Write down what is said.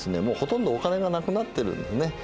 もうほとんどお金がなくなってるんでね。